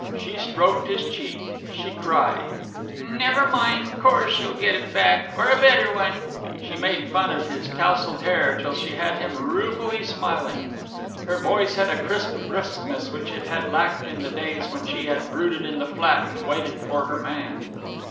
She stroked his cheek, she cried, "Never mind 'course you'll get it back, or a better one!" She made fun of his tousled hair till she had him ruefully smiling. Her voice had a crisp briskness which it had lacked in the days when she had brooded in the flat and waited for her man.